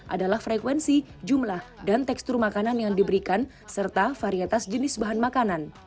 adalah frekuensi jumlah dan tekstur makanan yang diberikan serta varietas jenis bahan makanan